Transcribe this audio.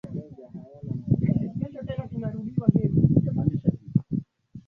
tumegundua uwepo wa idadi kubwa ya watu waliofanya udanganyifu